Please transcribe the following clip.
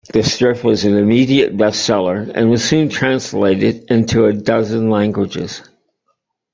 The strip was an immediate bestseller and was soon translated into a dozen languages.